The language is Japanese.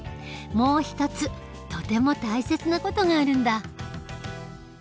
もう一つとても大切な事があるんだ。